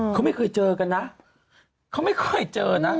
เขาไม่เคยเจอกันนะเขาไม่เคยเจอนะ